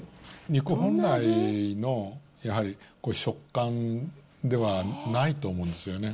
肉本来のやはり食感ではないと思うんですよね。